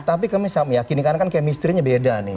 tapi kami yakin karena kan kemistirinya beda nih